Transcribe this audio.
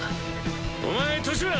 お前年は？